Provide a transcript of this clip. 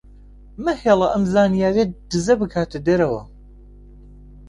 مەهێڵە ئەم زانیارییە دزە بکاتە دەرەوە.